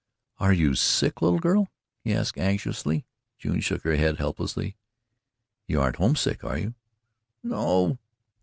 "Are you sick, little girl?" he asked anxiously. June shook her head helplessly. "You aren't homesick, are you?" "No."